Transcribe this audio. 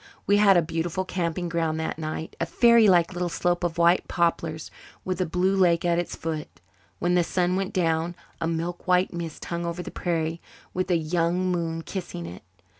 We had a beautiful camping ground that night a fairylike little slope of white poplars with a blue lake at its foot. When the sun went down a milk white mist hung over the prairie, with a young moon kissing it.